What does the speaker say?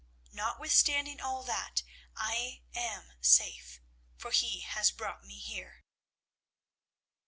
Notwithstanding all that, I am safe, for He has brought me here.'"